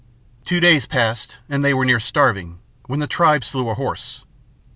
Two days passed and they were near starving, when the tribe slew a horse.